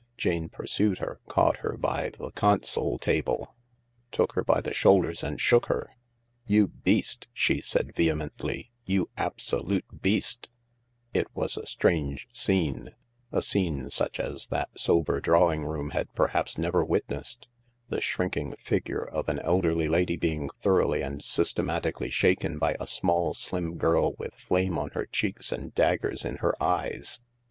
Jane pursued her, caught her by the console table, took her by the shoulders and shook her. " You beast," she said vehemently, " you absolute beast I " jit was a strange scene — a scene such as that sober drawing room had perhaps never witnessed : the shrinking figure of an elderly lady being thoroughly and systematically shaken by a small, slim girl with flame on her cheeks and daggers in her eyes.